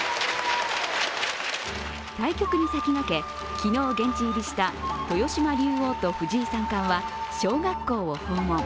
対局に先駆け、昨日現地入りした豊島竜王と藤井三冠は小学校を訪問。